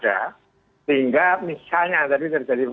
jadi itu adalah hal yang saya ingin mengatakan